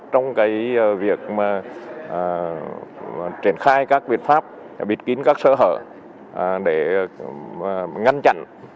trong việc triển khai các biệt pháp biệt kín các sở hở để ngăn chặn